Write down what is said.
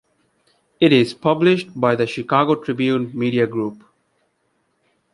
It is published by the "Chicago Tribune" Media Group.